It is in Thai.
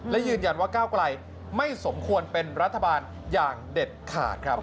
และยืนยันว่าก้าวไกลไม่สมควรเป็นรัฐบาลอย่างเด็ดขาดครับ